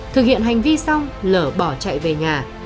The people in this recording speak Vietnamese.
thực hiện hành vi xong lở bỏ chạy về nhà